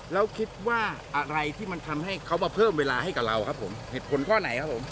แล้วคิดว่าอะไรที่มันทำให้เขามาเพิ่มเวลาให้กับเราครับผมเหตุผลข้อไหนครับผม